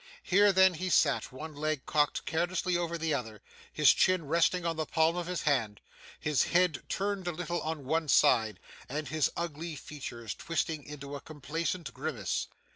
Here, then, he sat, one leg cocked carelessly over the other, his chin resting on the palm of his hand, his head turned a little on one side, and his ugly features twisted into a complacent grimace.